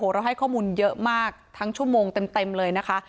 เราให้ข้อมูลเยอะมากทั้งชั่วโมงเต็มเลยนะคะ